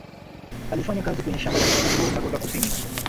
alifanya kazi kwenye shamba la mifugo dakota kusini